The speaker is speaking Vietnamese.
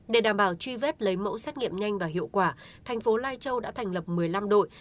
để đảm bảo truy vết lấy mẫu xét nghiệm nhanh và hiệu quả thành phố lai châu đã thành lập một mươi năm đội